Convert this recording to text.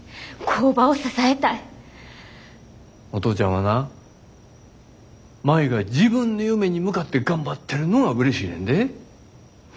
はな舞が自分の夢に向かって頑張ってるのがうれしいねんで。